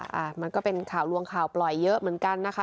ค่ะมันก็เป็นข่าวลวงข่าวปล่อยเยอะเหมือนกันนะคะ